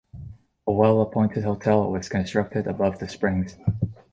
A well-appointed hotel was constructed above the Springs.